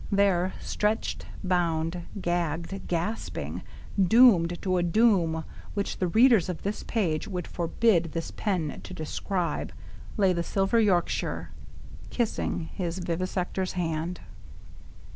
There^ stretched^ bounds g^'gg^d, g^P^g? doomed to a doom which the readers of this page would forbid this pen to describe, lay the silver Yorkshire, kissing his vivi sector's hand.